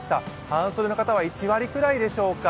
半袖の方は、１割ぐらいでしょうか。